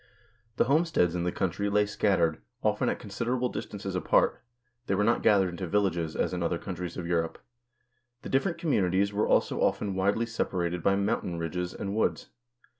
The homesteads in the country lay scattered, often at considerable distances apart, they were not gathered into villages as in other coun tries of Europe ; the different communities were also often widely separated by mountain ridges and woods.